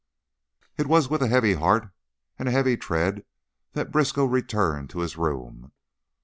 It was with a heavy heart and a heavy tread that Briskow returned to his room.